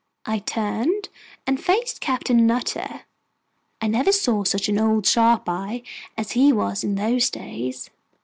I turned and faced Captain Nutter. I never saw such an old sharp eye as he was in those days.